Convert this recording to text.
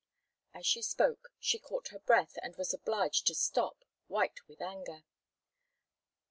As she spoke she caught her breath, and was obliged to stop, white with anger.